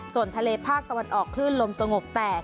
ส่วนทะเลภาคตะวันออกคลื่นลมสงบแตก